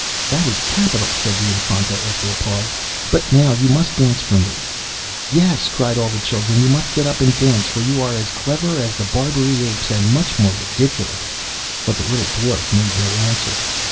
'That is capital,' said the Infanta, after a pause; 'but now you must dance for me.' 'Yes,' cried all the children, 'you must get up and dance, for you are as clever as the Barbary apes, and much more ridiculous.' But the little Dwarf made no answer.